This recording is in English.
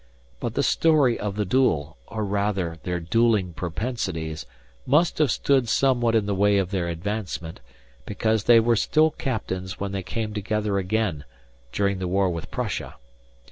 But the story of the duel, or rather their duelling propensities, must have stood somewhat in the way of their advancement, because they were still captains when they came together again during the war with Prussia.